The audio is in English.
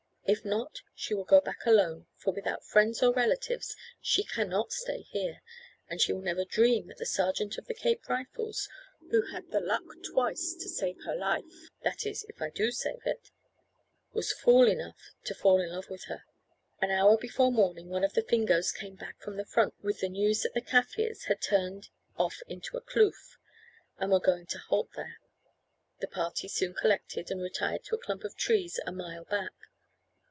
If not, she will go back alone, for without friends or relatives she cannot stay here, and she will never dream that the sergeant of the Cape Rifles, who had the luck twice to save her life that is, if I do save it was fool enough to fall in love with her." An hour before morning one of the Fingoes came back from the front with the news that the Kaffirs had turned off into a kloof, and were going to halt there. The party soon collected, and retired to a clump of trees a mile back.